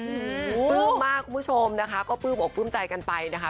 อืมปลื้มมากคุณผู้ชมนะคะก็ปลื้มอกปลื้มใจกันไปนะคะ